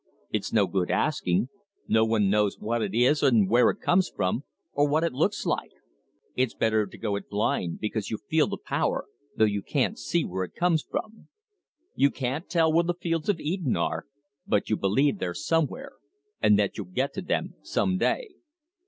It's no good asking no one knows what it is and where it comes from, or what it looks like. It's better to go it blind, because you feel the power, though you can't see where it comes from. You can't tell where the fields of Eden are, but you believe they're somewhere, and that you'll get to them some day.